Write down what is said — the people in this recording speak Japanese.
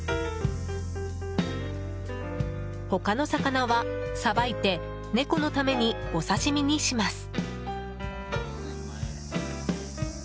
他の魚は、さばいて猫のためにお刺し身にします。